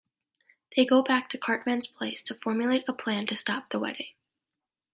They go back to Cartman's place to formulate a plan to stop the wedding.